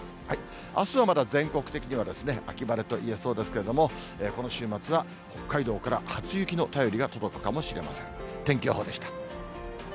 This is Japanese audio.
あすはまだ全国的には秋晴れといえそうですけれども、この週末は、北海道から初雪の便りが届くかもしれません。